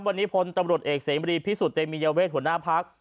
วันนี้พลตำรวจเอกเสมรีพิสุทธิเตมียเวทหัวหน้าพัก